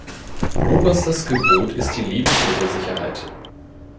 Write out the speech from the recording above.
Oberstes Gebot ist die Lebensmittelsicherheit.